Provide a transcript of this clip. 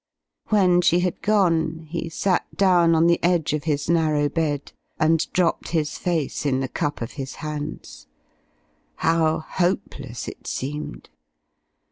When she had gone, he sat down on the edge of his narrow bed and dropped his face in the cup of his hands. How hopeless it seemed.